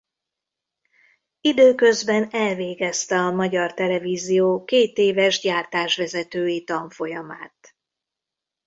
Időközben elvégezte a Magyar Televízió kétéves gyártásvezetői tanfolyamát.